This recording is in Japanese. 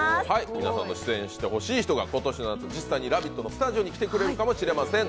皆さんの出演してほしい人が今年の夏、実際に「ラヴィット！」のスタジオに遊びに来てくれるかもしれません。